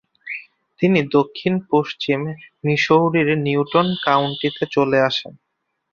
তিনি দক্ষিণ-পশ্চিম মিসৌরির নিউটন কাউন্টিতে চলে আসেন।